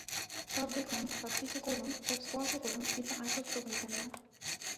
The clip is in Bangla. সব দেখুন, সবকিছু করুন, সব স্পর্শ করুন, কিন্তু আসক্ত হইবেন না।